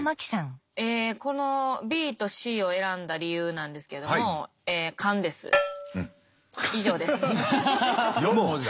えこのＢとＣを選んだ理由なんですけども４文字だ。